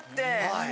はい。